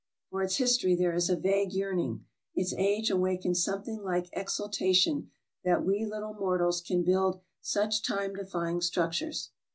For its history there is a vague yearning; its age awakens something like exultation that we little mortals can build such time defying structures.